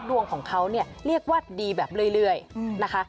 ดวงของเขาเนี่ยเรียกว่าดีแบบเรื่อยนะคะ